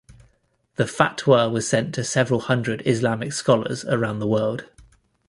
The fatwa was sent to several hundred Islamic scholars around the world.